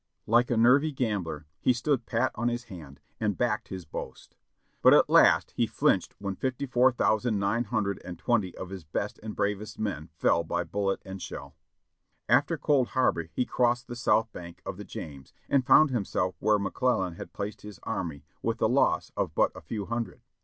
Like a nervy gambler, he stood pat on his hand, and backed his boast, but at last he flinched when fifty four thousand nine hun dred and twenty of his best and bravest men fell by bullet and shell.* After Cold Harbor he crossed the south bank of the James and found himself where McClellan had placed his army with the loss of but a few hundred.